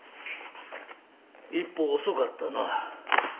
一歩遅かったな。